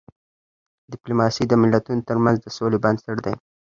ډيپلوماسی د ملتونو ترمنځ د سولې بنسټ دی.